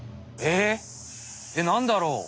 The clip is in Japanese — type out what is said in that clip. えっなんだろう？